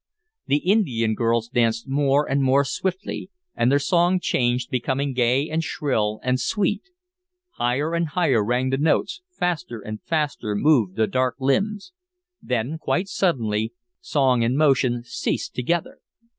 The Indian girls danced more and more swiftly, and their song changed, becoming gay and shrill and sweet. Higher and higher rang the notes, faster and faster moved the dark limbs; then, quite suddenly, song and motion ceased together.